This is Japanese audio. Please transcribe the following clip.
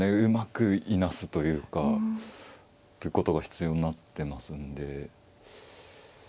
うまくいなすというか。ってことが必要になってますんで。